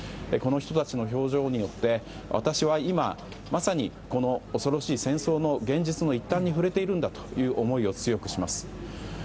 この人たちの表情によって私は今、まさにこの恐ろしい戦争の現実の一端に触れているんだという思いを強くします。